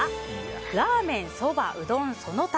ラーメン・そば・うどん・その他。